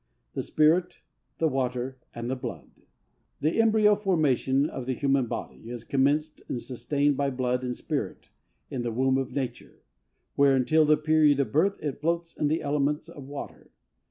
"The spirit, the water and the blood." The embryo formation of the human body, is commenced and sustained by blood and spirit, in the womb of nature, where, until the period of birth, it floats in the element of water.